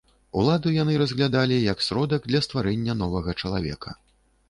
Уладу яны разглядалі як сродак для стварэння новага чалавека.